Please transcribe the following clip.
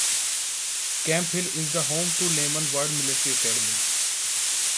Camp Hill is the home to Lyman Ward Military Academy.